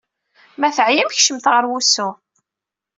Ma teɛyam, kecmet ɣer wusu.